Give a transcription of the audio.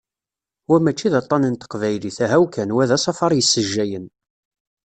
Wa mačči d aṭan n teqbaylit, ahaw kan, wa d asafar yessejjayen.